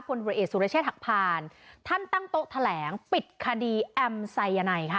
ผลวิวเอสศุริชย์ฐักษ์พารณ์ท่านตั้งโต๊ะแถลงปิดคดีแอมไซยันไนค่ะ